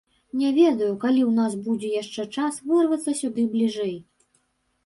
Не ведаю, калі ў нас будзе яшчэ час, вырвацца сюды бліжэй.